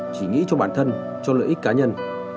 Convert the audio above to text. chỉ nghĩ cho bản thân cho lợi ích cá nhân